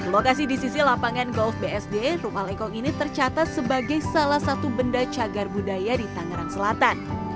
lokasi di sisi lapangan golf bsd rumah lekong ini tercatat sebagai salah satu benda cagar budaya di tangerang selatan